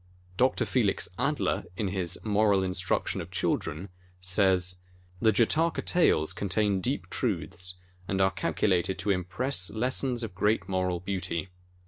Dr. Felix Adler in his "Moral Instruction of ChiK dren," says : The Jataka Tales contain deep truths, and are cal culated to impress lessons of great moral beauty.